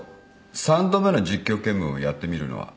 ３度目の実況見分をやってみるのは。